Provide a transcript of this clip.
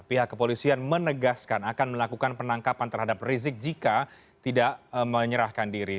pihak kepolisian menegaskan akan melakukan penangkapan terhadap rizik jika tidak menyerahkan diri